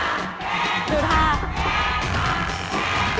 ดูท่า